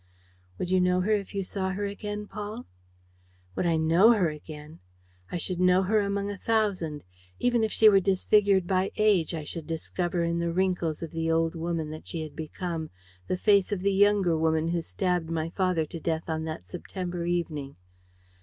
"Would you know her again if you saw her, Paul?" "Would I know her again! I should know her among a thousand. Even if she were disfigured by age, I should discover in the wrinkles of the old woman that she had become the face of the younger woman who stabbed my father to death on that September evening.